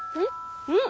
うん？